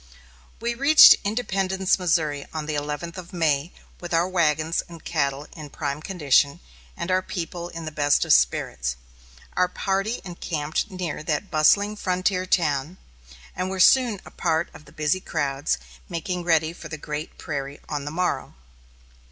We reached Independence, Missouri, on the eleventh of May, with our wagons and cattle in prime condition, and our people in the best of spirits. Our party encamped near that bustling frontier town, and were soon a part of the busy crowds, making ready for the great prairie on the morrow.